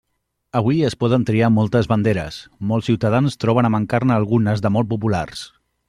Avui es poden triar moltes banderes, molts ciutadans troben a mancar-ne algunes de molt populars.